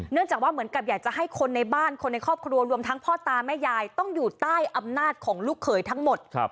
จากว่าเหมือนกับอยากจะให้คนในบ้านคนในครอบครัวรวมทั้งพ่อตาแม่ยายต้องอยู่ใต้อำนาจของลูกเขยทั้งหมด